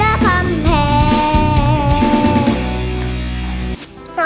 และคำแพง